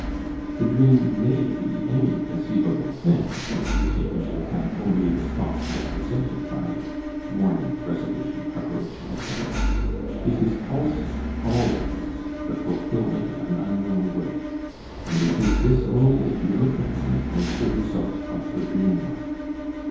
The dream may be any conceivable thing, if you take into account only the thoughts represented by it, warning, resolution, preparation, etc.; it is also always the fulfillment of an unknown wish, and it is this only if you look upon it as the result of the dream work.